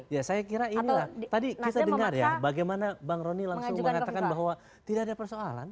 ya saya kira inilah tadi kita dengar ya bagaimana bang roni langsung mengatakan bahwa tidak ada persoalan